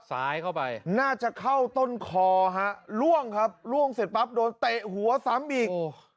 ซ้ายเข้าไปน่าจะเข้าต้นคอฮะล่วงครับล่วงเสร็จปั๊บโดนเตะหัวซ้ำอีก